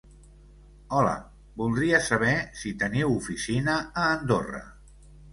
Hola, voldria saber si teniu oficina a Andorra.